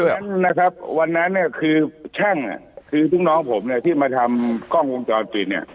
วันนะครับวันนั้นเนี่ยคือช่างอ่ะคือลูกน้องผมเนี่ยที่มาทำกล้องวงจรปิดเนี่ย